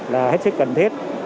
là hết sức cần thiết